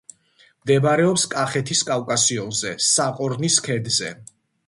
მდებარეობს კახეთის კავკასიონზე, საყორნის ქედზე.